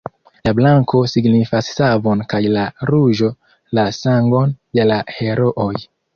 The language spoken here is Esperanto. La blanko signifas savon kaj la ruĝo la sangon de la herooj.